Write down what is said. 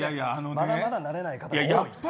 まだまだ慣れない方もね。